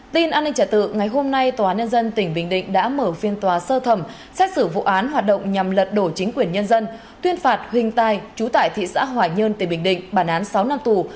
tin an ninh trả tự ngày hôm nay tòa án nhân dân tỉnh bình định đã mở phiên tòa sơ thẩm xét xử vụ án hoạt động nhằm lật đổ chính quyền nhân dân tuyên phạt huỳnh tài chú tại thị xã hòa nhơn tỉnh bình định bản án sáu năm tù